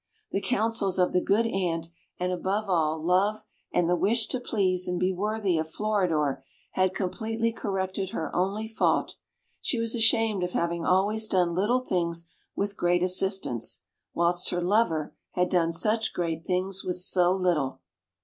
The counsels of the good Ant, and, above all, Love, and the wish to please and be worthy of Floridor, had completely corrected her only fault. She was ashamed of having always done little things with great assistance, whilst her lover had done such great things with so little.